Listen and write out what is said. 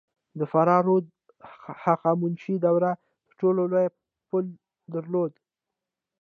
د فراه رود د هخامنشي دورې تر ټولو لوی پل درلود